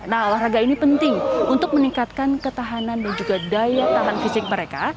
nah olahraga ini penting untuk meningkatkan ketahanan dan juga daya tahan fisik mereka